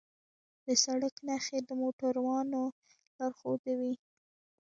د سړک نښې د موټروانو لارښودوي.